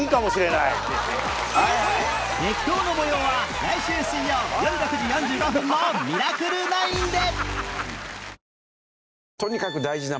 激闘の模様は来週水曜よる６時４５分の『ミラクル９』で！